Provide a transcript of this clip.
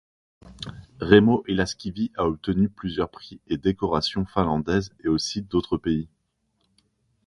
Raimo Ilaskivi a obtenu plusieurs prix et décorations finlandaises et aussi d'autres pays.